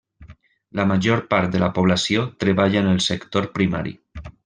La major part de la població treballa en el sector primari.